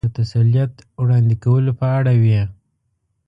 د تسلیت وړاندې کولو په اړه وې.